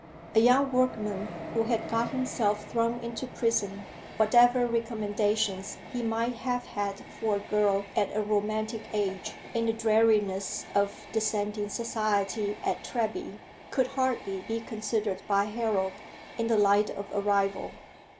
A young workman who had got himself thrown into prison, whatever recommendations he might have had for a girl at a romantic age in the dreariness of Dissenting society at Treby, could hardly be considered by Harold in the light of a rival.